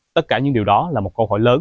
tất cả những điều đó là một câu hỏi lớn